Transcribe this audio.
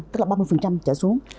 tức là ba mươi trở xuống